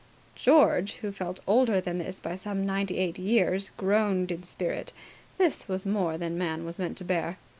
George, who felt older than this by some ninety eight years, groaned in spirit. This was more than man was meant to bear.